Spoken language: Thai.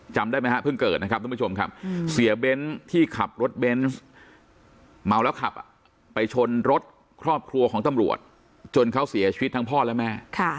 จำได้ไหมฮะเพิ่งเกิดนะครับทุกผู้ชมครับเสียเบ้นที่ขับรถเบนส์เมาแล้วขับไปชนรถครอบครัวของตำรวจจนเขาเสียชีวิตทั้งพ่อและแม่